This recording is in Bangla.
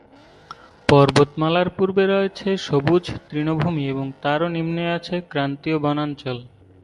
পর্বতমালার পূর্বে রয়েছে সবুজ তৃণভূমি এবং তারও নিম্নে আছে ক্রান্তীয় বনাঞ্চল।